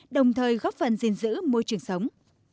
đồng thời góp phần gìn giữ môi trường sống